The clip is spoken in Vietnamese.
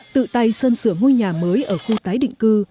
tự tay sơn sửa ngôi nhà mới ở khu tái định cư